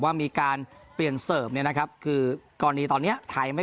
ว่ามีการเปลี่ยนเนี้ยนะครับคือก่อนนี้ตอนเนี้ยถ่ายไม่